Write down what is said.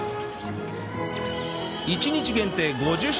１日限定５０食